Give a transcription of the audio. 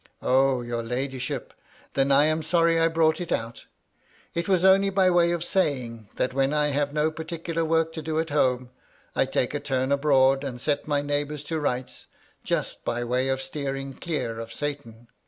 " O, your ladyship ! then I am sorry I brought it out. It was only by way of saying, that when I have no particular work to do at home, I take a turn abroad, and set my neighbours to rights, just by way of steer ing clear of Satan.